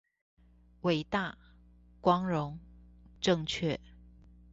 偉大、光榮、正確